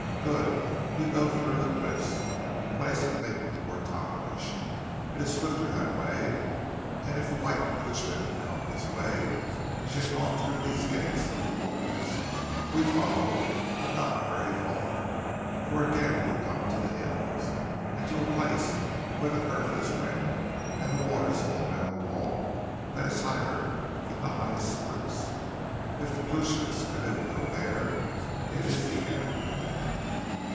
"Good! We go through the cliffs, in place of making the portage. It is the swifter way, and if the white Klootchman come this way, she has gone through these gates of the waters. We follow, but not very far, for again we come to the hills, and to a place where the earth is rent, and the waters fall down a wall that is higher than the highest spruce. If the Klootchman's canoe go there it is the end."